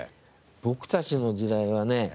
僕たちの時代はね